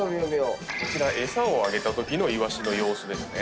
こちら餌をあげたときのイワシの様子ですね。